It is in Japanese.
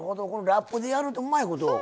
ラップでやるとうまいこと。